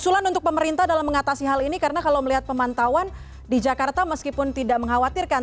usulan untuk pemerintah dalam mengatasi hal ini karena kalau melihat pemantauan di jakarta meskipun tidak mengkhawatirkan